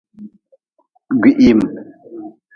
Gwihiim.